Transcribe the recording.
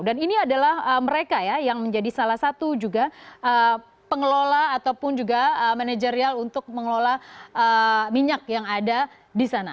dan ini adalah mereka yang menjadi salah satu juga pengelola ataupun juga manajerial untuk mengelola minyak yang ada di sana